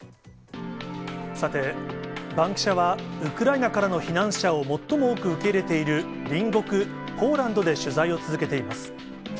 さて、バンキシャは、ウクライナからの避難者を最も多く受け入れている隣国、ポーランドで取材を続けています。